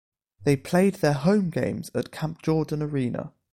They played their home games at Camp Jordan Arena.